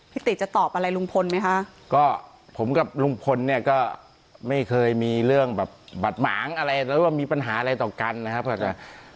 ติจะตอบอะไรลุงพลไหมคะก็ผมกับลุงพลเนี่ยก็ไม่เคยมีเรื่องแบบบัดหมางอะไรหรือว่ามีปัญหาอะไรต่อกันนะครับก็จะ